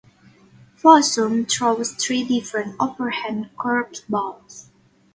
Fossum throws three different overhand curveballs.